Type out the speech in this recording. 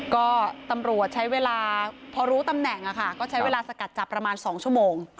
ก็ตำรวจใช้เวลาพอรู้ตำแหน่งก็ใช้เวลาสกัดจับประมาณ๒ชั่วโมง